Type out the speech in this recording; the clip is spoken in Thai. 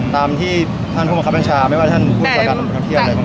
ตามที่ท่านผู้บังคับบังชาไม่ว่าท่านพูดต่อกันทั้งที่อะไรตรงนี้